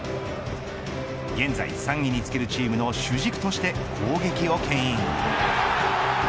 現在３位につけるチームの主軸として攻撃をけん引。